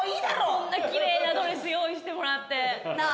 こんな奇麗なドレス用意してもらって。